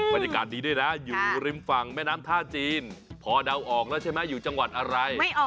บรรยากาศดีด้วยนะอยู่ริมฝั่งแม่น้ำท่าจีนพอเดาออกแล้วใช่ไหมอยู่จังหวัดอะไร